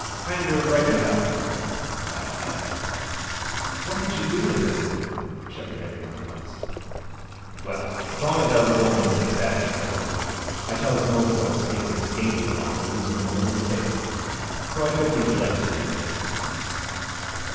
Kinder ripenin' up, it were," laughed the Captain. "What did you do with it?" shouted every one. "Well, as long as I wuz goin' over to Sat'aday Cove, I tells Mose I'll snake this dainty along and lose him in the middle of the bay. So, I don't think you'll ever see him agin."